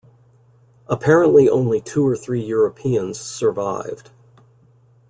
Apparently only two or three Europeans survived.